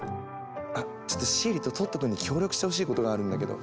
あちょっとシエリとトット君に協力してほしいことがあるんだけど。